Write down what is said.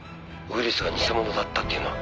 「ウイルスが偽物だったっていうのは」